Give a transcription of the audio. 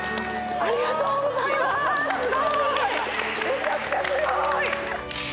めちゃくちゃすごい！